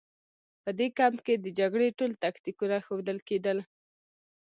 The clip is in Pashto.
په دې کمپ کې د جګړې ټول تکتیکونه ښودل کېدل